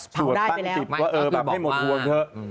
สวดตั้งจิตว่าเออแบบให้หมดหัวเถอะ